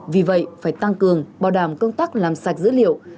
vì vậy phải tăng cường bảo đảm công tác làm sạch dữ liệu